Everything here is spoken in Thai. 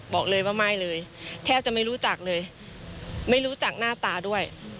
บอกเลยว่าไม่เลยแทบจะไม่รู้จักเลยไม่รู้จักหน้าตาด้วย